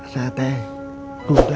saya teh duda